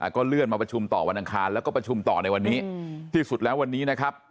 ก็เลื่อนมาประชุมต่อวันอังคารแล้วก็ประชุมต่อในวันนี้ที่สุดแล้ววันนี้นะครับ